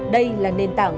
đây là nền tảng